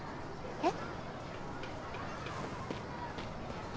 えっ？